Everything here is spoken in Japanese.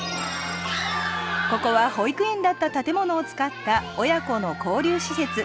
ここは保育園だった建物を使った親子の交流施設。